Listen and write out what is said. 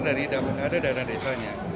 dari dana dana desanya